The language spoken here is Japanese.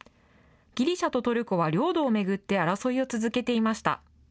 ギリシャとトルコは領土を巡って争いを続けていました。